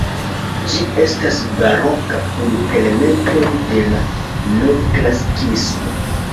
Ĝi estas baroka kun elementoj de la novklasikismo.